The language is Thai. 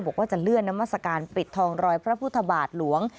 บอกว่าจะเลื่อนนามัศกาลปิดทองรอยพระพุทธบาทหลวง